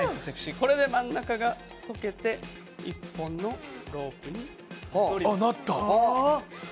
これで真ん中がほどけて１本のロープに戻ります。